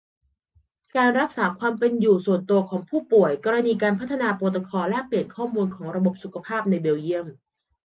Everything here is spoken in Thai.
การรักษาความเป็นอยู่ส่วนตัวของผู้ป่วย กรณีการพัฒนาโปรโตคอลแลกเปลี่ยนข้อมูลของระบบสุขภาพในเบลเยียม